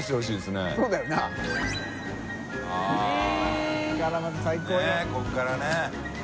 ねぇここからね。